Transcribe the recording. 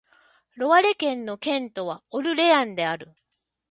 ロワレ県の県都はオルレアンである